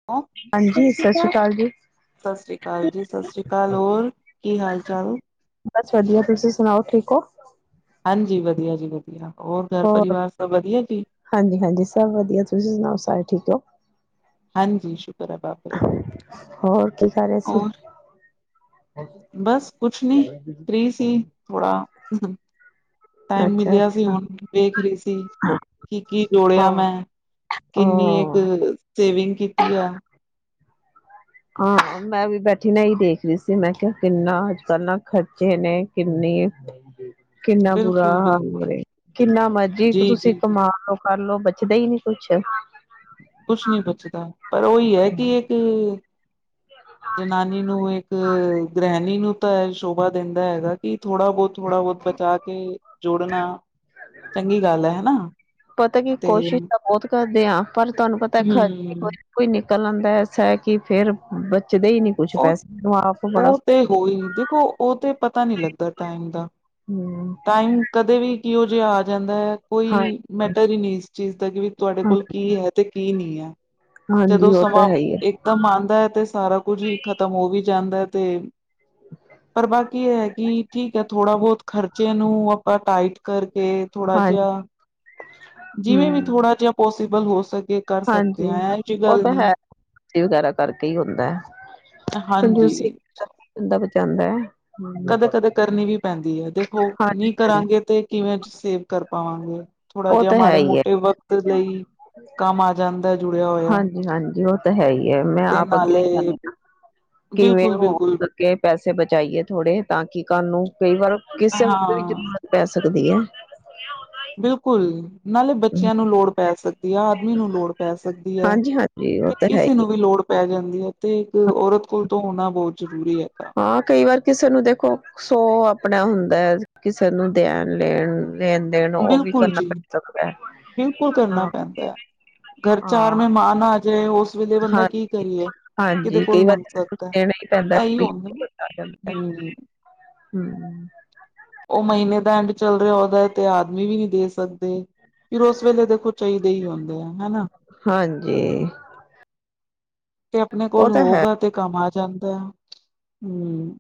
[unintelligible] ਹਾਂਜੀ ਸਤਿ ਸ੍ਰੀ ਅਕਾਲ ਜੀ ਸਤਿ ਸ੍ਰੀ ਅਕਾਲ ਜੀ ਸਤਿ ਸ਼੍ਰੀ ਅਕਾਲ ਹੋਰ ਕੀ ਹਾਲ ਚਾਲ ਬਸ ਵਧੀਆ ਤੁਸੀਂ ਸੁਣਾਓ ਠੀਕ ਹੋ ਹਾਂਜੀ ਵਧੀਆ ਜੀ ਵਧੀਆ ਹੋਰ ਘਰ ਪਰਿਵਾਰ ਸਭ ਵਧੀਆ ਜੀ ਹਾਂਜੀ ਹਾਂਜੀ ਸਭ ਵਧੀਆ ਤੁਸੀਂ ਸੁਣਾਓ ਸਾਰੇ ਠੀਕ ਹੋ ਹਾਂਜੀ ਸ਼ੁਕਰ ਹੈ ਬਾਬਾ ਜੀ ਦਾ ਹੋਰ ਕੀ ਕਰ ਰਹੇ ਸੀ। ਹੋਰ ਬਸ ਕੁਛ ਨੀ ਫਰੀ ਸੀ ਥੋੜਾ ਟਾਈਮ ਅੱਛਾ ਮਿਲਿਆ ਸੀ ਅੱਛਾ ਹੁਣ ਵੇਖ ਰਹੀ ਸੀ ਕਿ ਕੀ ਡੋਲਿਆ ਹਾਂ ਮੈਂ ਕਿੰਨੀ ਇੱਕ ਸੇਵਿੰਗ ਕੀਤੀ ਆ ਹਾਂ ਮੈਂ ਵੀ ਬੈਠੀ ਨਾ ਹੀ ਦੇਖ ਰਹੀ ਸੀ ਮੈਂ ਕਿਹਾ ਕਿੰਨਾ ਅੱਜ ਕੱਲ ਨਾ ਖਰਚੇ ਨੇ ਕਿੰਨੀ ਕਿੰਨਾ ਬੁਰਾ ਬਿਲਕੁਲ ਹਾਲ ਬਿਲਕੁਲ ਹੋਏ ਕਿੰਨਾ ਮਰਜੀ ਜੀ ਜੀ ਤੁਸੀਂ ਜੀ ਕਮਾ ਲਓ ਕਰਲੋ ਬਚਦਾ ਹੀ ਨੀ ਕੁਛ ਕੁਛ ਨੀ ਬਚਦਾ ਪਰ ਉਹੀ ਹੈ ਕਿ ਇੱਕ ਜਨਾਨੀ ਨੂੰ ਏ ਇੱਕ ਗ੍ਰੈਣੀ ਨੂੰ ਤਾਂ ਸ਼ੋਭਾ ਦਿੰਦਾ ਹੈਗਾ, ਕਿ ਥੋੜਾ ਬੋਤ ਥੋੜਾ ਬੋਤ ਬਚਾ ਕੇ ਜੋੜਨਾ, ਚੰਗੀ ਗੱਲ ਹੈ ਨਾ? ਪਤਾ ਕੀ ਕੋਸ਼ਿਸ਼ ਤਾਂ ਬੋਤ ਕਰਦੇ ਆਂ, ਪਰ ਤਾਨੂੰ ਪਤਾ ਖ ਇੱਕ ਹਮ ਵਾਰੀ ਕੋਈ ਨਿਕਲ ਆਦਾਂ ਸਹਿਗੀ ਫਿਰ ਬੱਚਦੇ ਈ ਨੀ। ਕੁਛ ਓ, ਪੈਸੇ ਨੂੰ ਆਪ ਓ ਬੜਾ ਤੇ ਹੋਈ ਦੇਖੋ ਓ ਤੇ ਪਤਾ ਨਹੀਂ ਲੱਗਦਾ ਟਾਈਮ ਦਾ। ਹੂੰ,,, ਟਾਈਮ ਕਦੇ ਵੀ ਕਿਉ ਜੇਆ ਆ ਜਾਂਦਾ ਐ। ਹਾਂ, ਕੋਈ, ਮੈਟਰ ਈ ਨੀ ਇਸ ਚੀਜ਼ ਦਾ ਕਿ ਬੀ ਤੁਹਾਡੇ ਹਾਂ, ਕੋਲ ਕੀ ਹੈ ਤੇ ਕੀ ਨੀ ਐ? ਹਾਂਜੀ ਜਦੋਂ ਉਹ ਤਾਂ ਸਮਾਂ, ਹੈ ਹੀ ਹੈ, ਏਕਦਮ ਆਂਦਾ ਐ ਤੇ ਸਾਰਾ ਕੁਝ ਈ ਖਤਮ ਹੋ ਵੀ ਜਾਂਦਾ ਐ ਤੇ ਪਰ ਬਾਕੀ ਹੈ ਕੀ? ਠੀਕ ਐ ਥੋੜਾ ਬੋਤ ਖ਼ਰਚੇ ਨੂੰ, ਆਪਾਂ ਟਾਈਟ ਕਰਕੇ ਥੋੜਾ ਹਾਂਜੀ ਜੇਆ, ਜਿਵੇਂ ਵੀ ਹੂੰ, ਥੋੜਾ ਜੇਆ ਪੋਸੀਬਲ ਹੋ ਸਕੇ ਕਰ ਸਕਦੇ ਆਂ, ਐਂ ਜੀ ਗੱਲ ਨੀ। ਤੇ ਵਗੈਰਾ ਕਰਕੇ ਈ ਹੁੰਦਾ, ਕੰਜੂਸੀ ਹਾਂਜੀ ਕਰ ਕੇ ਬੰਦਾ ਬਚਾਂਦਾ ਐ। ਕਦੇ-ਕਦੇ ਕਰਨੀ ਵੀ ਪੈਂਦੀ ਏ। ਦੇਖੋ, ਨੀ ਹਾਂਜੀ-ਹਾਂਜੀ ਕਰਾਂਗੇ ਤੇ ਕਿਵੇਂ ਸੇਵ ਕਰ ਪਾਵਾਂਗੇ? ਥੋੜਾ ਉਹ ਜੇਆ ਤਾਂ ਹੈ ਮਾੜੇ ਹੀ ਹੈ, ਮੋਟੇ ਵਕਤ ਲਈ, ਕੰਮ ਆ ਜਾਂਦਾ ਜੁੜਿਆ ਹੋਇਆ ਹਾਂਜੀ-ਹਾਂਜੀ ਉਹ ਤਾਂ ਹੈ ਈ ਐ ਮੈਂ ਤੇ ਆਪ ਅੱਗੇ ਨਾਲੇ ਆਨੀਂ ਆਂ, ਕਿਵੇਂ ਬਿਲਕੁਲ ਬਿਲਕੁਲ ਹੋਉਗਾ ਕੇ ਪੈਸੇ ਬਚਾਈਏ ਥੋੜੇ, ਤਾਂ ਕੀ, ਕਾਨੂੰ ਕਈ ਵਾਰ ਕਿਸੇ ਵਕਤ ਵੀ ਹਾਂ ਜ਼ਰੂਰਤ ਪੈ ਸਕਦੀ ਐ। ਬਿਲਕੁਲ, ਨਾਲੇ ਬੱਚਿਆਂ ਨੂੰ ਲੋੜ ਪੈ ਸਕ ਆਦਮੀ ਨੂੰ ਲੋੜ ਪੈ ਸਕਦੀ ਐ, ਹਾਂਜੀ-ਹਾਂਜੀ ਉਹ ਤੇ ਤਾਂ ਹੈ ਹੀ। ਕਿਸੇ ਹੈ। ਨੂੰ ਵੀ ਲੋੜ ਪੈ ਜਾਂਦੀ ਐ ਤੇ, ਇੱਕ ਔਰਤ ਕੋਲ ਤੋ ਹੋਨਾ ਬੋਤ ਜ਼ਰੂਰੀ ਹੈਗਾ। ਆਂ ਕਈ ਵਾਰ ਕਿਸੇ ਨੂੰ ਦੇਖੋ। ਸੋ ਆਪਨਾ ਹੁੰਦਾ ਐਜ ਕਿਸੇ ਨੂੰ ਦੇਨ-ਲੇਨ-ਲੇਨ ਬਿਲਕੁਲ ਜੀ, ਬਿਲਕੁਲ ਕਰਨਾ ਹਾਂ ਪੈਂਦਾ ਐ। ਘਰ ਹਾਂ ਚਾਰ ਮਹਿਮਾਨ ਆਜੇ ਏ, ਉਸ ਵੇਲੇ ਬੰਦਾ ਹਾਂ ਕੀ ਕਰੀਏ? ਕਿਹਦੇ ਹਾਂਜੀ, ਕੋਲ ਕਈ ਵਾਰ ਮੰਗ ਕੁ ਕੁਝ ਸਕਦਾ ਹੈ, ਦੇਣਾ ਈ ਪੈਂਦਾ ਇਹੀ ਹੁੰਦਾ ਨਾ ਏ [unintelligible] ਹੂੰ ਹੂੰ। ਓ, ਮਈਨੇ ਦਾ ਐਂਡ ਚੱਲ ਰਿਆ ਹੁੰਦਾ ਏ ਤੇ ਆਦਮੀ ਵੀ ਨੀਂ ਦੇ ਸਕਦੇ। ਫਿਰ ਉਸ ਵੇਲੇ ਦੇਖੋ, ਚਾਈਦੇ ਈ ਹੁੰਦੇ ਆ ਹੈਨਾ। ਹਾਂਜੀ। ਤੇ ਆਪਨੇ ਉਹ ਕੋਲ ਤਾਂ ਹੈ ਹੋਉਗਾ ਤੇ ਕੰਮ ਆ ਜਾਂਦਾ ਐ, ਹੂੰ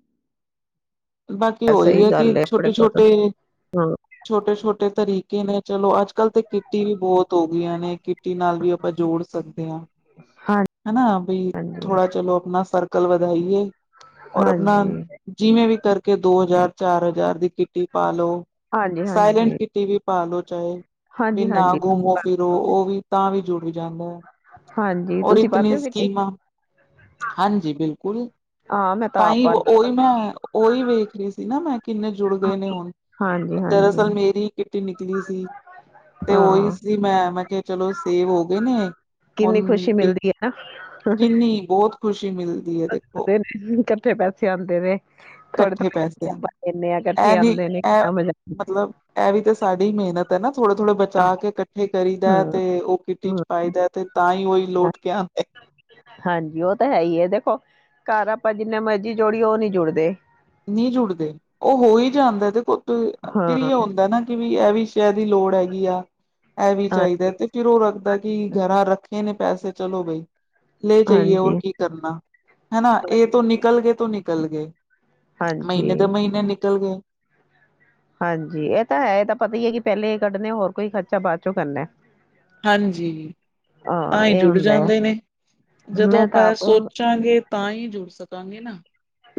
ਬਾਕੀ ਓ ਈ ਸਹੀ ਐ ਕਿ ਗੱਲ ਹੈ ਆਪਣੇ ਛੋਟੇ- ਕੋਲ ਤਾਂ ਛੋਟੇ ਹਾਂ ਛੋਟੇ- ਛੋਟੇ ਤਰੀਕੇ ਨੇ ਚਲੋ ਅੱਜ ਕੱਲ੍ਹ ਤੇ, ਕੀ ਕਿੱਟੀ ਵੀ ਬੋਤ ਹੋ ਗੀਆਂ ਨੇ, ਕਿੱਟੀ ਨਾਲ ਵੀ ਆਪਾਂ ਜੋੜ ਸਕਦੇ ਆਂ। ਹਾਂ ਹੈਨਾ ਬਈ, ਹਾਂਜੀ ਥੋੜਾ ਚਲੋ ਆਪਨਾ ਸਰਕ ਅਕਲ ਵਦਾਈਏ, ਔਰ ਆਪਣਾ ਹਾਂਜੀ ਜਿਵੇਂ ਵੀ ਕਰਕੇ ਦੋ ਹਜ਼ਾਰ, ਚਾਰ ਹਜ਼ਾਰ ਦੀ ਕਿੱਟੀ ਪਾ ਲੋ ਹਾਂਜੀ ਸਾਇਲੈਂਟ, ਹਾਂਜੀ ਕਿੱਟੀ ਵੀ ਪਾਲੋ ਚਾਏ, ਵੀ ਨਾ ਹਾਂਜੀ ਗੁਮੋ ਹਾਂਜੀ ਫਿਰੋ ਉਹ ਵੀ ਤਾਂ ਵੀ ਜੁੜ ਜਾਂਦਾ ਏ। ਹਾਂਜੀ ਔਰ ਤੁਸੀਂ ਪਾਉਂਦੇ ਇਤਨੀ ਹੋ ਮਿੱਟੀ ਸਕੀਮਾਂ, ਹਾਂਜੀ ਬਿਲਕੁਲ। ਹਾਂ ਮੈਂ ਤਾਂ ਆਪ ਤਾਂਈ ਓ, ਪਾਉਂਦੀ ਹਾਂ ਉਈ, ਮੈਂ ਓ, ਉਈ ਵੇਖ ਰੀ ਸੀ ਨਾ, ਮੈਂ ਕ ਕਿੰਨੇ ਜੁੜਗੇ ਨੇ ਹੁਨ। ਹਾਂਜੀ ਹਾਂਜੀ ਦਰਅਸਲ, ਮੇਰੀ ਕਿੱਟੀ ਨਿਕਲੀ ਸੀ ਤੇ ਓਈ ਹਾਂ ਸੀ, ਮੈਂ ਮੈਂ ਕਿਆ ਚਲੋ ਸੇਵ ਹੋ ਗਏ ਨੇ, ਕਿੰਨੀ ਹੁਣ ਖੁਸ਼ੀ ਵੀ ਮਿਲਦੀ ਹੈ ਨਾ ਕਿੰਨੀ ਬੋਤ ਖੁਸ਼ੀ ਮਿਲਦੀ ਐ ਦੇਖੋ। ਊਂ, ਕੱਠੇ ਪੈਸੇ ਆਂਦੇ ਨੇ। ਥੋੜੇ- ਥੋੜੇ ਇਕੱਠੇ [unintelligible] ਪੈਸਿਆਂ ਨਾਲ ਪਾ ਦੀਨੇ ਆ ਕੱਠੇ ਆਂਦੇ ਨੀ ਆ ਮਜਾ ਐ ਵੀ ਤੇ ਸਾਡੀ ਮੇਨਤ ਤੇ ਨਾ ਥੋੜਾ-ਥੋੜਾ ਆਉਂਦਾ ਬਚਾ ਕੇ ਕੱਠੇ ਕਰੀ ਦਾ ਹਮ ਤੇ ਓ ਕਿੱਟੀ ਹਮ ਚ ਪਾਈਦਾ ਤੇ ਤਾਂ ਈ ਓ ਈ ਲੋਟ ਕੇ ਆਂਦਾ ਹਾਂਜੀ, ਓ ਤਾਂ ਹੈ ਈ ਐ ਦੇਖੋ, ਘਰ ਆਪਾਂ ਜਿੰਨੇ ਮਰਜ਼ੀ ਜੋੜੀਏ ਓ ਨੀ ਜੁੜਦੇ। ਨੀਂ ਜੁੜਦੇ, ਓ ਹੋ ਈ ਜਾਂਦਾ ਏ ਦੇਖੋ, ਹਾਂ [unintelligible] ਹੁੰਦਾ ਨਾ ਕਿ ਵੀ ਇਹ ਵੀ ਸ਼ਹਿ ਦੀ ਲੋੜ ਹੈਗੀ ਆ। ਇਹ ਵੀ ਹਾਂਜੀ ਚਾਹੀਦਾ ਤੇ, ਜਰੂਰਤ ਤਾਂ ਕਿ, ਘਰਾਂ ਰੱਖੇ ਨੇ ਪੈਸੇ ਚਲੋ ਬਾਈ। ਲੈ ਜਾਈਏ ਔਰ ਹਾਂਜੀ ਕੀ ਕਰਨਾ ਹਨਾ ਇਹ ਤੋਂ ਨਿਕਲ ਗਏ ਤੋਂ ਨਿਕਲ ਗਏ। ਹਾਂਜੀ ਮਹੀਨੇ ਦੇ ਮਹੀਨੇ ਨਿਕਲ ਗਏ। ਹਾਂਜੀ ਇਹ ਤਾਂ ਹੈ, ਇਹ ਤਾਂ ਪਤਾ ਹੀ ਹੈ ਕਿ ਪੈਲੇ ਇਹ ਕੱਢਣੇ ਹੋਰ ਕੋਈ ਖਰਚਾ ਬਾਦ ਚੋਂ ਕਰਨਾ। ਹਾਂਜੀ, ਹਾਂ ਤਾਂ ਹੀ ਇਹ ਜੁੜ ਹੁੰਦਾ ਹੈ ਜਾਂਦੇ ਨੇ ਜਦੋਂ ਮੈਂ ਤਾਂ ਆਪਾਂ ਇਹ ਆਪ ਸੋਚ। ਸੋਚਾਂਗੇ ਤਾਂ ਹੀ ਜੁੜ ਸਕਾਂਗੇ ਨਾ।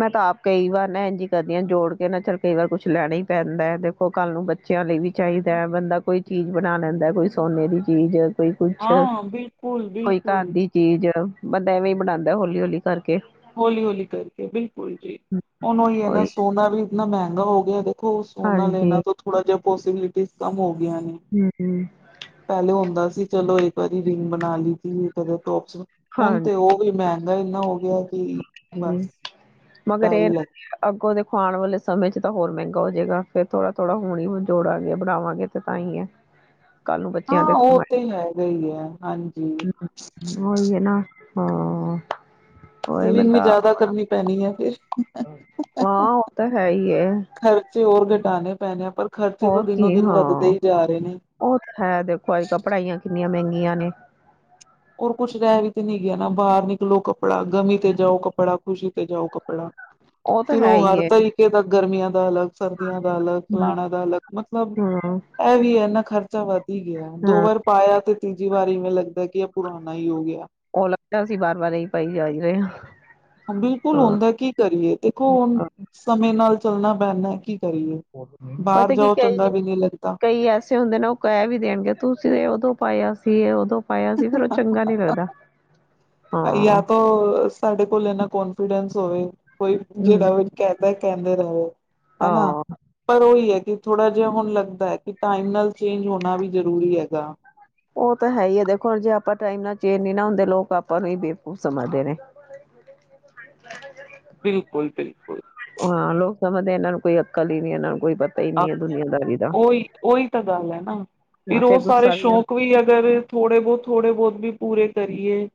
ਮੈਂ ਤਾਂ ਆਪ ਕਈ ਵਾਰ ਨਾ ਇੰਝੀ ਕਰਦੀ ਹ ਜੋੜ ਕੇ ਨਾ ਚੱਲ ਕਈ ਵਾਰ ਕੁਛ ਲੈਣਾ ਹੀ ਪੈਂਦਾ ਹੈ। ਤੇ- ਓਹ ਕੱਲ ਨੂੰ ਬੱਚਿਆਂ ਲਈ ਵੀ ਚਾਹੀਦਾ। ਬੰਦਾ ਕੋਈ ਚੀਜ਼ ਬਣਾ ਲੈਂਦਾ ਕੋਈ ਸੋਨੇ ਦੀ ਚੀਜ਼। ਕੋਈ ਕੁਛ, ਹਾਂ ਬਿਲਕੁਲ ਕੋਈ ਘਰ ਬਿਲਕੁਲ ਦੀ ਚੀਜ਼ ਬੰਦਾ ਇਵੇਂ ਹੀ ਬਣਾਉਂਦਾ ਹੌਲੀ- ਹੌਲੀ ਕਰਕੇ। ਹੌਲੀ- ਹੌਲੀ ਕਰਕੇ ਬਿਲਕੁਲ ਜੀ, ਹੁਣ ਉਹੀ ਹੈ ਨਾ ਸੋਨਾ ਵੀ ਇਤਨਾ ਮਹਿੰਗਾ ਹੋ ਗਿਆ। ਦੇਖੋ ਸੋਨਾ ਹਾਂਜੀ ਲੈਣਾ ਤੋਂ ਥੋੜਾ ਜਿਹਾ ਪੋਸੀਬਿਲਿਟੀ ਕਮ ਹੋ ਗਈਆਂ ਨੇ। ਹੂੰ -ਹੂੰ। ਪਹਿਲੇ ਹੁੰਦਾ ਸੀ ਚਲੋ ਇੱਕ ਵਾਰੀ ਰਿੰਗ ਬਣਾ ਲਈ ਸੀ, ਕਦੇ ਟੋਪਸ ਬ- ਹੁਣ ਤੇ ਉਹ ਵੀ ਮਹਿੰਗਾ ਇੰਨਾ ਹੋ ਗਿਆ ਕਿ ਹਾਂਜੀ ਬਸ ਮਗਰ ਡਰ ਹੀ ਇਹ ਨਾ ਲੱਗ। ਕਿ ਅੱਗੋਂ ਦੇਖੋ ਆਉਣ ਵਾਲੇ ਸਮੇਂ ਚ ਤਾਂ ਹੋਰ ਮਹਿੰਗਾ ਹੋ ਜਾਏਗਾ ਫੇਰ ਥੋੜਾ-ਥੋੜਾ ਹੁਣ ਜੋੜਾਂਗੇ ਬਣਾਵਾਂਗੇ ਤੇ ਤਾਂ ਹੀ ਹੈ। ਹ [inaudible] ਹਾਂ, ਉਹ ਤੇ ਹੈਗਾ ਹੀ ਹੈ, ਹਾਂਜੀ। ਉਹੀ ਹੈ ਨਾ, ਹਾਂ। ਉਹੀ ਮੈਂ ਸੇਵਿੰਗ ਵੀ ਤਾਂ ਜਿਆਦਾ ਕਰਨੀ ਪੈਣੀ ਹੈ, ਫੇਰ। ਹਾਂ, ਉਹ ਤਾਂ ਹੈ ਹੀ ਹੈ। ਖਰਚੇ ਹੋਰ ਘਟਾਉਣੇ ਪੈਣੇ ਆ ਪਰ ਖਰਚੇ ਤਾਂ ਹੋਰ ਕੀ ਦਿਨੋ- ਦਿਨ ਵੱਧਦੇ ਹਾਂ, ਹੀ ਜਾ ਰਹੇ ਨੇ। ਉਹ ਹੈ ਦੇਖੋ ਅੱਜ ਕੱਲ ਪੜਾਈਆਂ ਕਿੰਨੀਆਂ ਮਹਿੰਗੀਆਂ ਨੇ। ਹੋਰ ਕੁਛ ਰਹਿ ਵੀ ਤੇ ਨੀ ਗਿਆ ਨਾ ਬਾਹਰ ਨਿਕਲੋ ਕੱਪੜਾ, ਗਮੀ ਤੇ ਜਾਓ ਕੱਪੜਾ, ਖੁਸ਼ੀ ਤੇ ਜਾਓ ਕੱਪੜਾ। ਤਾਂ ਫੇਰ ਹੈ ਉਹ ਹੀ ਹਰ ਏ, ਕੋਈ ਕਹੇਗਾ ਗਰਮੀਆਂ ਦਾ ਅਲੱਗ। ਸਰਦੀਆਂ ਦਾ ਅਲੱਗ, ਹੂੰ, ਫਲਾਣਾ ਦਾ ਅਲੱਗ ਮਤਲਬ ਹੂੰ, ਇਹ ਵੀ ਹੈ ਇਨਾ ਖ਼ਰਚਾ ਵੱਧ ਹੀ ਗਿਆ। ਦੋ ਹਾਂ ਵਾਰ ਪਾਇਆ ਤੇ ਤੀਜੀ ਵਾਰੀ ਇਵੇਂ ਲੱਗਦਾ ਕਿ ਇਹ ਪੁਰਾਣਾ ਹੀ ਹੋ ਗਿਆ। ਉਹ ਅਲੱਗ ਗੱਲ ਸੀਂ ਵਾਰ- ਵਾਰ ਇਹੀ ਪਾਈ ਜਾ ਹੀ ਰਹੇ ਹਾਂ। ਬਿਲਕੁਲ, ਹਾਂ, ਹੁੰਦਾ ਐ ਕੀ ਕਰੀਏ ਦੇਖੋ ਹੁਣ ਸਮੇਂ ਨਾਲ ਚੱਲਣਾ ਪੈਂਦਾ ਕਿ- ਕਰੀਏ, ਹਾਂ। ਬਾਹਰ ਪਤਾ ਕੀ ਜਾਓ ਚੰਗਾ ਕਈ ਵੀ ਨਹੀਂ ਲੱਗਦਾ। ਕਈ ਐਸੇ ਹੁੰਦੇ ਨੇ ਉਹ ਕਹਿ ਵੀ ਦੇਣਗੇ ਤੁਸੀਂ ਇਹ ਉਦੋਂ ਪਾਇਆ ਸੀ, ਇਹ ਉਦੋਂ। ਪਾਇਆ ਸੀ, ਫੇਰ ਉਹ ਚੰਗਾ ਨੀ ਲੱਗਦਾ। ਜਾਂ ਹਾਂ, ਤਾਂ ਸਾਡੇ ਕੋਲ ਇਨਾ ਕੋਨਫੀਡੈਂਸ ਹੋਵੇ ਕੋਈ ਹੂੰ, ਜਿਹੜਾ ਵੀ - ਕਹਿੰਦਾ- ਕਹਿੰਦੇ ਰਹੇ ਹੈਨਾ, ਹਾਂ ਪਰ ਉਹੀ ਹੈ ਕਿ ਥੋੜਾ ਜਿਹਾ ਹੁਣ ਲੱਗਦਾ ਹੈ, ਕੀ- ਟਾਈਮ ਨਾਲ ਚੇਂਜ ਹੋਣਾ ਵੀ ਜ਼ਰੂਰੀ ਹੈਗਾ। ਉਹ ਤਾਂ ਹੈ ਹੀ ਆ ਦੇਖੋ, ਹੁਣ ਜੇ ਆਪਾਂ ਟਾਈਮ ਨਾਲ ਚੇਂਜ ਨੀ ਨਾ ਹੁੰਦੇ ਲੋਕ ਆਪਾਂ ਨੂੰ ਹੀ ਬੇਵਕੂਫ ਸਮਝਦੇ ਨੇ। ਬਿਲਕੁਲ-ਬਿਲਕੁਲ। ਹਾਂ, ਲੋਕ ਸਮਝਦੇ ਆ ਇਹਨਾਂ ਨੂੰ ਕੋਈ ਅਕਲ ਹੀ ਨੀ, ਇਹਨਾਂ ਨੂੰ ਕੋਈ ਪਤਾ- ਹੀ ਨੀ ਹੈ ਦੁਨੀਆਂਦਾਰੀ ਦਾ। ਉਹੀ, ਉਹੀ ਤਾਂ ਗੱਲ ਹੈ ਨਾ ਹਾਂ ਫੇਰ ਉਹ ਸਾਰੇ ਗੁੱਸਾ ਵੀ ਆਂਦਾ, ਸ਼ੌਕ ਕੋਈ ਅਗਰ ਥੋੜੇ ਬਹੁਤ- ਥੋੜੇ ਬਹੁਤ ਵੀ ਪੂਰੇ ਕਰੀਏ।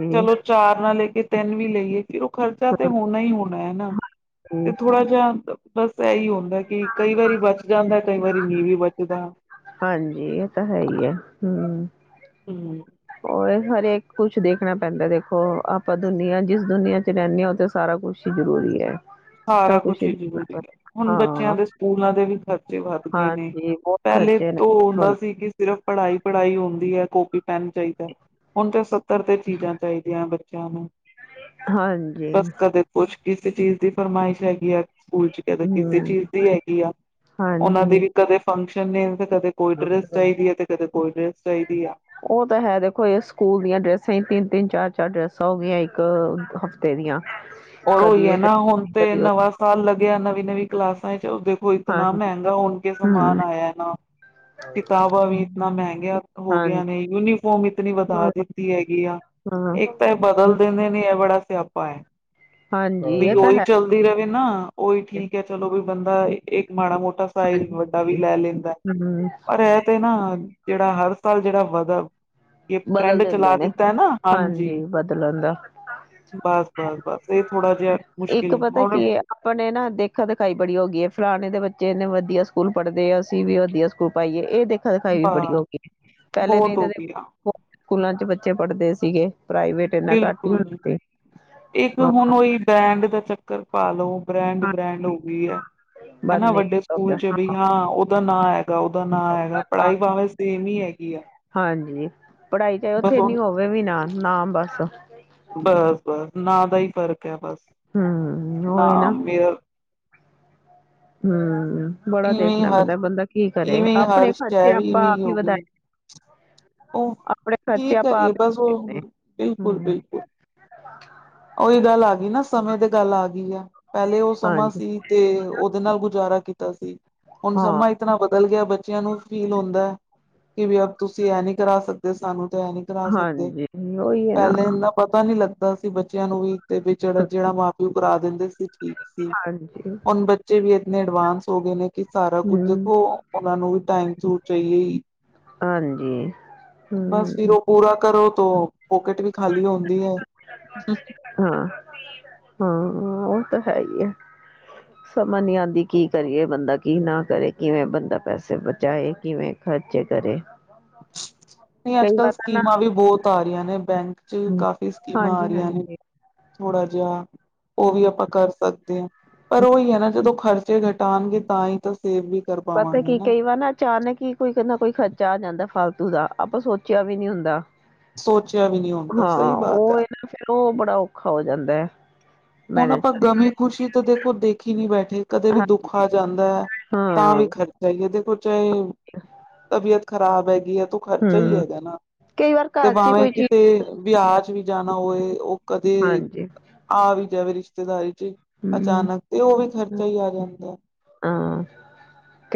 ਜੀ, ਚਲੋ ਚਾਰ ਨਾ ਲੈ ਕੇ ਤਿੰਨ ਵੀ ਲਈਏ। ਫੇਰ ਉਹ ਖਰਚਾ ਤੇ ਹੋਣਾ ਹੀ ਹੋਣਾ ਹੈਨਾ, ਜੀ। ਤੇ ਥੋੜਾ ਜਿਹਾ ਬਸ ਇਹੀ ਹੁੰਦਾ, ਕਿ ਕਈ ਵਾਰੀ ਬਚ ਜਾਂਦਾ ਐ ਕਈ ਵਾਰੀ ਨਹੀਂ ਵੀ ਬਚਦਾ। ਹਾਂਜੀ, ਇਹ ਤਾਂ ਹੈ ਹੀ ਆ, ਹੂੰ। ਹੂੰ। ਉਹ ਹਰੇਕ ਕੁਛ ਦੇਖਣਾ ਪੈਂਦਾ ਦੇਖੋ, ਆਪਾਂ ਦੁਨੀਆਂ ਜਿਸ ਦੁਨੀਆਂ ਚ ਰਹਿੰਦੇ ਹਾਂ ਉਥੇ ਤੇ ਸਾਰਾ ਕੁਛ। ਜ਼ਰੂਰੀ ਹੈ। ਸਾਰਾ ਸਭ ਕੁਛ ਹੀ ਦੇਖਣਾ ਜ਼ਰੂਰੀ ਹੈ। ਪੈਂਦਾ। ਹੁਣ ਬੱਚਿਆਂ ਹਾਂ ਦੇ ਸਕੂਲਾਂ ਦੇ ਵੀ ਖਰਚ- ਖਰਚੇ ਵੱਧ ਗਏ ਨੇ, ਹਾਂਜੀ ਬਹੁਤ ਪਹਿਲੇ ਖਰਚੇ ਨੇ ਤੋਂ ਹੁਣ ਹੁੰਦਾ ਸੀ ਕਿ ਸਿਰਫ਼ ਪੜਾਈ-ਪੜਾਈ ਹੁੰਦੀ ਹੈ ਕਾਪੀ, ਪੈਨ ਚਾਹੀਦਾ, ਹੁਣ ਤੇ ਸੱਤਰ ਤੇ ਚੀਜ਼ਾਂ ਚਾਹੀਦੀਆਂ ਬ- ਚੇਆਂ ਨੂੰ, ਹਾਂਜੀ ਬਸ ਕਦੇ ਕੁਛ ਕਿਸੇ ਚੀਜ਼ ਦੀ ਫਰਮਾਇਸ਼ ਹੈਗੀ ਆ ਸਕੂਲ ਚ। ਕਦੇ ਕਿਸੇ ਹਮ ਚੀਜ਼ ਦੀ ਹੈਗੀ ਆ ਉਹਨਾਂ ਦੇ ਹਾਂਜੀ ਵੀ ਕਦੇ ਫੰਕਸ਼ਨ ਨੇ ਤੇ ਕਦੇ ਕੋਈ ਡਰੈਸ ਚਾਹੀਦੀ ਹੈ ਤੇ ਕਦੇ ਕੋਈ ਡਰੈਸ ਚਾਹੀਦੀ ਆ। ਉਹ ਤਾਂ ਹੈ ਦੇਖੋ ਇਸ ਸਕੂਲ ਦੀਆਂ ਡਰੈਸਾਂ ਹੀ ਤਿੰਨ ਤਿੰਨ ਚਾਰ ਚਾਰ ਡਰੈਸਾਂ ਹੋ ਗਈਆਂ ਇੱਕ ਹ। ਤੇ ਦੀਆਂ ਔਰ ਉਈ ਕਦੀ ਹੈ ਇਹ ਨਾ ਹੁਣ ਡਰੈਸ, ਤੇ ਕਦੀ ਉਹ ਨਵਾਂ ਸਾਲ ਲੱਗਿਆ ਨਵੀਂ ਨਵੀਂ ਕਲਾਸਾਂ ਚ। ਇਤਨਾ ਹਾਂਜੀ ਮਹਿੰਗਾ ਹੋ ਕੇ ਹਮ ਸਮਾਨ ਆਇਆ ਨਾ। ਕਿਤਾਬਾਂ ਵੀ ਇਤਨਾ ਮਹਿੰਗੀਆਂ ਹੋ ਗਈਆਂ ਹਾਂਜੀ ਨੇ ਯੂਨੀਫੋਮ ਇਤਨੀ ਵਧਾ ਹਾਂ ਦਿੱਤੀ ਹੈਗੀ ਆ। ਹਾਂ ਇੱਕ ਤਾਂ ਇਹ ਬਦਲ ਦਿੰਦੇ ਨੇ ਇਹ ਬੜਾ ਸਿਆਪਾ ਹੈ। ਹਾਂਜੀ ਵੀ ਇਹ ਤਾਂ ਉਹੀ ਹੈ ਚੱਲਦੀ ਰਹੇ ਨਾ ਉਹੀ ਠੀਕ ਹੈ ਚਲੋ ਵੀ ਬੰਦਾ ਇੱਕ ਮਾੜਾ ਮੋਟਾ। ਸਈਜ਼ ਵੱਡਾ ਵੀ ਹਾਂਜੀ ਲੈ ਲੈਂਦਾ ਹਮ ਪਰ ਇਹ ਤੇ ਨਾ ਜਿਹੜਾ ਹਰ ਸਾਲ ਜਿਹੜਾ ਵਧਾ ‌। ਇਹ ਬਦਲ ਟਰੈਂਡ ਦਿੰਦੇ ਚਲਾ ਨੇ। ਦਿੱਤਾ ਹੈ ਨਾ ਹਾਂਜੀ। ਬਦਲਣ ਦਾ ਬਸ ਬਸ ਬਸ ਇਹ ਥੋੜਾ ਜਿਹਾ। ਇੱਕ ਮੁਸ਼ਕਿਲ ਪਤਾ ਔਰ ਕੀ ਹੈ। ਆਪਣੇ ਨਾ ਦੇਖਾ ਦਿਖਾਈ ਬੜੀ ਹੋ ਗਈ ਹੈ ਫਲਾਣੇ ਦੇ ਬੱਚੇ ਇਨੇ ਵਧੀਆ ਸਕੂਲ ਪੜ੍ਹਦੇ ਆ ਅਸੀਂ ਵੀ ਵਧੀਆ ਸਕੂਲ। ਨੂੰ ਪਾਈਏ ਇਹ ਦੇਖਾ ਦਿਖਾਈ ਵੀ ਬ ਬੜੀ ਹੋ ਗਈ ਹੈ ਪਹਿਲੇ ਨਹੀਂ ਬਹੁਤ ਤੇ। ਹੋ ਗਿਆ ਸਕੂਲਾਂ ਚ ਬੱਚੇ ਪੜ੍ਹਦੇ ਸੀਗੇ ਪ੍ਰਾਈਵੇਟ। ਇੰਨਾ ਘੱਟ ਹੀ ਬਿਲਕੁਲ ਹੁੰਦਾ ਸੀ। ਇੱਕ ਹੁਣ ਉਹੀ। ਬ੍ਰੈਂਡ ਦਾ ਚੱਕਰ ਪਾ ਲੋ ਬ੍ਰੈਂਡ ਬ੍ਰੈਂਡ ਹੋ ਗਈ ਹੈ ਹਨਾ ਬੰਨੇ ਵੱਡੇ ਸਕੂਲ ਚ ਵੀ ਯਾਂ ਉਹਦਾ ਨਾਂ ਹੈਗਾ ਉਹਦਾ ਨਾਂ ਹੈਗਾ ਪੜ੍ਹਾਈ ਭਾਵੇ ਸੇਮ ਹੀ ਹੈਗੀ ਆ। ਹਾਂਜੀ ਪੜ੍ਹਾਈ ਤੇ ਬਸ ਉੱਥੇ ਨੀ ਉਹ ਹੋਵੇ ਵੀ ਨਾ ਨਾਮ ਬਸ। ਬਸ ਬਸ ਨਾ ਦਾ ਹੀ ਫ਼ਰਕ ਹੈ ਬਸ ਹਮ ਉਹ ਨਾ ਹੈ ਮੇ। ਹਮ ਬੜਾ ਇਵੇਂ ਹੀ ਦੇਖਣਾ ਹਰ ਪੈਂਦਾ ਬੰਦਾ ਕੀ ਕਰੇ ਇਵੇਂ ਹੀ ਆਪਣੇ ਹਰ ਸ਼ੈ ਖਰਚੇ ਵੀ ਆਪਾਂ ਇਵੇਂ ਆਪ ਹੀ ਹੋ ਗਈ ਹੈ ਵਧਾਏ। ਉਹ ਆਪਣੇ ਕੀ ਖਰਚੇ ਆਪਾਂ ਕਰੀਏ ਆਪ ਬਸ ਹੀ ਉਹ ਕਰਦੇ ਨੇ ਬਿਲਕੁਲ ਹਮ ਬਿਲਕੁਲ। ਉਹਹੀ ਗੱਲ ਆ ਗਈ ਨਾ ਸਮੇਂ ਤੇ ਗੱਲ ਆ ਗਈ ਆ ਪਹਿਲੇ ਉਹ ਸਮਾਂ ਹਾਂਜੀ ਸੀ। ਤੇ ਉਹਦੇ ਨਾਲ ਗੁਜ਼ਾਰਾ ਕੀਤਾ ਸੀ ਹੁਣ ਹਾਂ ਸਮਾਂ ਇਤਨਾ। ਬਦਲ ਗਿਆ ਬੱਚਿਆਂ ਨੂੰ ਫੀਲ ਹੁੰਦਾ ਕਿ ਵੀ ਅ ਤੁਸੀਂ ਇਹਂ ਨੀ ਕਰਾ ਸਕਦੇ ਸਾਨੂੰ ਤੇ ਇਹ ਨੀ। ਕਰਾ ਸਕਦੇ ਹਾਂਜੀ ਉਹੀ ਹੈ ਨਾ ਪਹਿਲੇ ਇੰਨਾ ਪਤਾ ਨੀ ਲੱਗਾ। ਤਾਂ ਅਸੀ ਬੱਚਿਆਂ ਨੂੰ ਵੀ ਤੇ ਬ ਜਿਹੜਾ ਮਾਂ ਪਿਓ ਕਰਾ ਦਿੰਦੇ ਸੀ ਠੀਕ ਸੀ ਹਾਂਜੀ ਹੁਣ। ਬੱਚੇ ਵੀ ਇਨੇ ਐਡਵਾਂਸ ਹੋ ਗਏ ਨੇ ਕਿ ਸਾਰਾ ਕੁਝ ਹਮ ਉਹ ਉਹਨਾ ਨੂੰ ਵੀ ਟਾਈਮ ਸਿਰ ਚਾਹੀਏ। ਹਾਂਜੀ ਬਸ ਫਿਰ ਹਮ ਉਹ ਪੂਰਾ ਕਰੋ ਤੋ ਪੋਕੇਟ ਵੀ ਖਾਲੀ ਹੁੰਦੀ ਹੈ। ਹਾਂ ਠੀਕ ਹਾਂ ਉਹ ਤਾਂ ਹੈ ਹੀ ਆ ਸਮਝ ਨਹੀਂ ਆਉਂਦੀ ਕੀ ਕਰੀਏ ਬੰਦਾ ਕੀ ਨਾ ਕਰੇ ਕਿਵੇਂ ਬੰਦਾ ਪੈਸੇ ਬਚਾਏ ਕਿਵੇਂ। ਖਰਚੇ ਕਰੇ ਨਹੀਂ ਅੱਜ ਕੱਲ੍ਹ ਚੰਗਾ ਤਾਂ ਨਾ। ਸਕੀਮਾਂ ਵੀ ਬਹੁਤ ਆ ਰਹੀਆਂ ਨੇ ਬੈਂਕ ਚ ਕਾਫੀ ਸਕੀਮਾਂ ਆ ਹਾਂਜੀ ਰਹੀਆਂ ਨੇ ਹਾਂਜੀ ਥੋੜਾ ਜਿਹਾ। ਉਹ ਵੀ ਆਪਾਂ ਕਰ ਸਕਦੇ ਹਾਂ ਪਰ ਉਹੀ ਹੈ ਨਾ ਜਦੋਂ ਖਰਚੇ ਘਟਾਉਣਗੇ ਤਾਂ ਹੀ ਤਾਂ। ਸੇਵ ਵੀ ਕਰ ਪਤਾ ਪਾਵਾਂਗੇ ਕੀ ਨਾ। ਕਈ ਵਾਰ ਅਚਾਨਕ ਹੀ ਕੋਈ ਕਹਿੰਦਾ ਕੋਈ ਖਰਚਾ ਆ ਜਾਂਦਾ ਫਾਲਤੂ ਦਾ ਆਪਾਂ ਸੋਚਿਆ ਵੀ ਨਹੀਂ ਹੁੰਦਾ। ਸੋਚਿਆ ਵੀ ਨਹੀਂ ਹੁੰਦਾ ਹਾਂ ਸਹੀ ਬਾਤ ਹੈ ਉਹ ਇਹ ਨਾ ਫਿਰ ਉਹ ਬੜਾ ਔਖਾ ਹੋ ਜਾਂਦਾ ਹੈ। ਹੁਣ ਮੈਨੇਜ ਆਪਾਂ ਗਮੀ ਖੁਸ਼ੀ ਤਾਂ ਦੇਖੋ ਦੇਖੀ ਨੀ ਬੈਠੇ। ਕਦੇ ਹਾਂ ਵੀ ਦੁੱਖ ਆ ਜਾਂਦਾ ਹੈ ਤਾਂ ਹਾਂ ਵੀ ਖਰ। ਚਹੀਏ ਦੇਖੋ ਚਾਹੇ ਤਬੀਅਤ ਖਰਾਬ ਹੈਗੀ ਹੈ। ਖਰਚਾ ਹੀ ਹੂੰ ਹੈਗਾ ਨਾ ਕਈ ਵਾਰ ਤੇ ਘਰ ਚ ਹੀ ਭਾਵੇਂ ਕੋਈ ਕਿ। ਚੀਜ਼ ਤੇ ਵਿਆਹ ਚ ਵੀ ਜਾਣਾ ਹੋਵੇ ਉਹ ਕਦੇ ਹਾਂਜੀ ਆ ਵੀ। ਜਾਵੇ ਰਿਸ਼ਤੇਦਾਰੀ ਚ ਹੂੰ ਅਚਾਨਕ ਤੇ ਉਹ ਵੀ ਖਰਚਾ ਹੀ ਆ ਜਾਂਦਾ। ਹਾਂ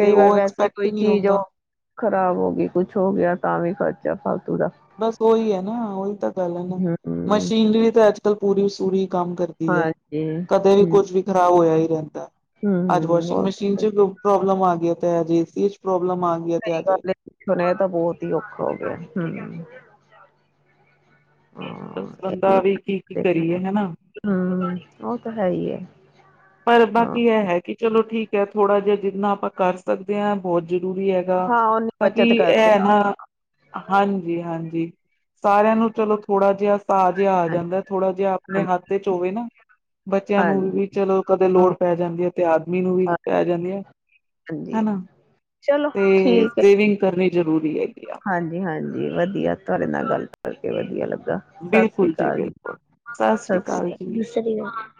ਤੇ ਵਾਰ ਉਹ ਵੈਸੇ ਐਕਸਪੈਕਟ ਕੋਈ ਨਹੀਂ ਚੀਜ਼ ਹੋ। ਹੁੰਦਾ। ਖ਼ਰਾਬ ਹੋ ਗਈ ਕੁੱਛ ਹੋ ਗਿਆ ਤਾਂ ਵੀ ਖ਼ਰਚਾ ਫਾਲਤੂ ਦਾ। ਬਸ ਉਹੀ ਹੈ ਨਾ ਉਹੀ ਤਾਂ ਗੱਲ ਹੈ ਨਾ ਹੂੰ ਮਸ਼ੀਨਰੀ ਤਾਂ ਅੱਜ ਕੱਲ ਪੂਰੀ ਸੂਰੀ ਕੰਮ ਕਰਦੀ। ਹਾਂਜੀ ਕਦੇ ਵੀ ਹੂੰ ਕੁੱਝ ਵੀ ਖ਼ਰਾਬ ਹੋਇਆ ਹੀ ਰਹਿੰਦਾ ਅੱਜ ਹੂੰ ਵਾਸ਼ਿੰਗ ਬਹੁਤ ਮਸ਼ੀਨ ਚ। ਸੱਚੀ ਭੈਣ ਪ੍ਰੋਬਲਮ ਆ ਗਈ ਹੈ। ਤੇ ਅਜ ਏਸ ਚੀਜ਼ ਚ ਪ੍ਰੋਬਲਮ ਆ ਗਈ ਤੇ ਸਹੀ ਅੱਜ ਗੱਲ ਏ, ਪੁਛਣ ਤਾਂ ਬੋਤ ਹੀ ਔਖਾ ਹੋ ਗਿਆ ਹਮ ਦੱਸ ਬੰਦਾ ਵੀ ਕੀ- ਕੀ ਕਰੀਏ ਹਨਾ ਹਮ ਉਹ ਤਾਂ ਹੈਈਏ ਪਰ ਬਾਕੀ ਇਹ ਹੈ। ਕਿ ਚਲੋ ਠੀਕ ਹੈ। ਥੋੜਾ ਜਿਹਾ ਜਿੰਨਾ ਆਪਾਂ ਕਰ ਸਕਦੇ ਹਾਂ ਬੋਤ ਜ਼ਰੂਰੀ ਹੈ। ਹਾਂ ਉਹਨੀ ਬੱਚਤ ਬਾਕੀ ਕਰਦੇ ਇਹ ਨਾ ਹਾਂਜੀ- ਹਾਂਜੀ ਸਾਰਿਆਂ ਨੂੰ ਚਲੋ ਥੋੜਾ ਜਿਹਾ ਪਾ ਜਿਹਾ ਆ ਹਾਂਜੀ ਜਾਂਦਾ ਥੋੜਾ ਜਿਹਾ, ਆਪਣੇ ਹਾਂਜੀ ਹੱਥ ਚ ਹੋਵੇ ਨਾ ਬੱਚਿਆਂ ਨੂੰ ਹਾਂਜੀ ਵੀ ਚਲੋ ਤੇ ਲੋੜ ਹਾਂ ਪੈ ਜਾਂਦੀ ਹੈ। ਤੇ ਆਦਮੀ ਨੂੰ ਵੀ ਪੈ ਜਾਂਦੀ ਹੈ। ਹਾਂਜੀ ਹਨਾ ਚਲੋ ਤੇ ਠੀਕ ਹੈ। ਸੇਵਿੰਗ ਕਰਨੀ ਜ਼ਰੂਰੀ ਹੈਗੀ ਆ ਹਾਂਜੀ- ਹਾਂਜੀ ਵਧੀਆ ਤੁਹਾਡੇ ਨਾਲ ਗੱਲ ਕਰਕੇ ਵਧੀਆ ਲੱਗਾ ਸਤਿ ਸ੍ਰੀ ਬਿਲਕੁਲ ਅਕਾਲ ਜੀ, ਬਿਲਕੁਲ ਸ੍ਰੀ ਸਤਿ ਸ਼੍ਰੀ ਅਕਾਲ, ਜੀ ਸਤਿ ਸ਼੍ਰੀ ਅਕਾਲ